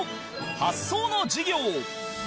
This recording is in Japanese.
発想の授業